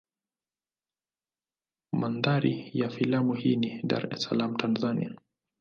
Mandhari ya filamu hii ni Dar es Salaam Tanzania.